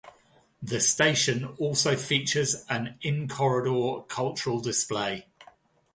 The station also features an in-corridor cultural display.